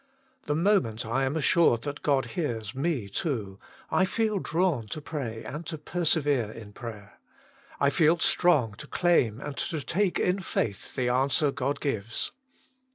The moment I am assured that God hears me too, I feel drawn to pray and to persevere in prayer. I feel strong to claim and to 143 144 THE MINISTRY OF INTERCESSION take in faith the answer God gives.